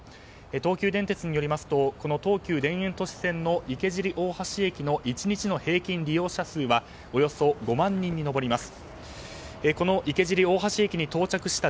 東急電鉄によりますとこの東急田園都市線の池尻大橋の１日の平均利用者数はおよそ５万人に上ります。